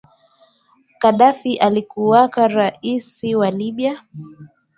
Kadafi alikuwaka raisi wa libya